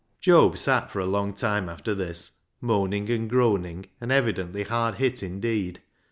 Job sat for a long time after this, moaning and groaning, and evidently hard hit indeed.